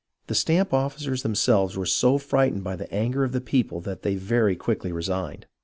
The stamp officers themselves were so frightened by the anger of the people that they very quickly resigned.